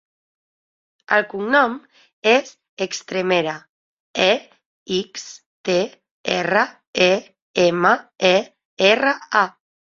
El cognom és Extremera: e, ics, te, erra, e, ema, e, erra, a.